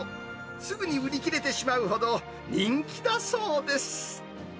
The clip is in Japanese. すぐに売り切れてしまうほど、人気だそうです。